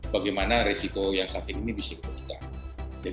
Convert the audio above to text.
bagaimana resiko yang sakit ini bisa berjalan